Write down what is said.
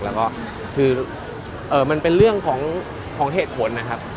แล้วก็คือมันเป็นเรื่องของเหตุผลนะครับ